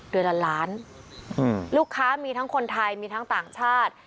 เดือนละล้านลูกค้ามีทั้งคนไทยมีทั้งต่างชาติ